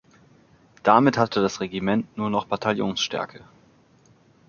Damit hatte das Regiment nur noch Bataillonsstärke.